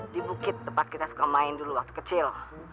di bukit tempat kita suka main dulu waktu kecil